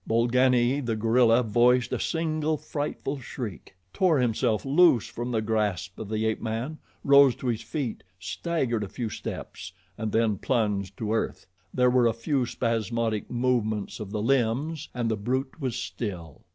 Bolgani, the gorilla, voiced a single frightful shriek, tore himself loose from the grasp of the ape man, rose to his feet, staggered a few steps and then plunged to earth. There were a few spasmodic movements of the limbs and the brute was still.